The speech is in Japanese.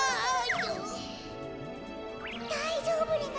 だいじょうぶレナ？